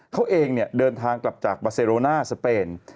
เขาเองเดินทางกลับจากบาเซโรน่าสเปน